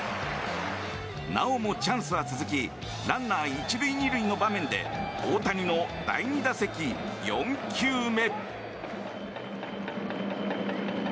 なおもチャンスは続きランナー１塁２塁の場面で大谷の第２打席、４球目。